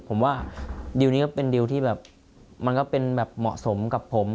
ผมว่าดิวนี้ก็เป็นดิวที่แบบมันก็เป็นแบบเหมาะสมกับผม